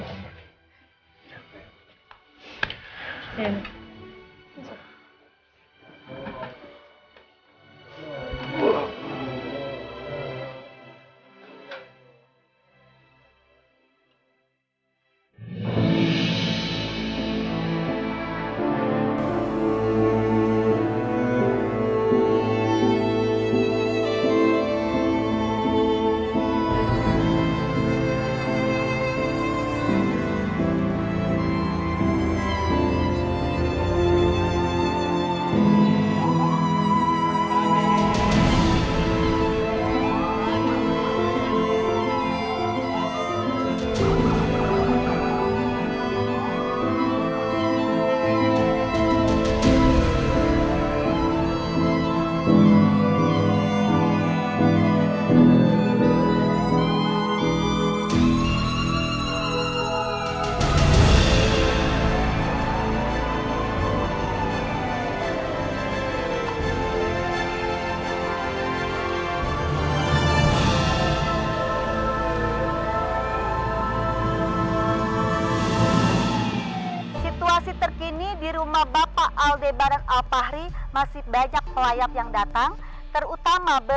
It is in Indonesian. aku juga mau lapar sama mama